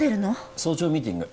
早朝ミーティング。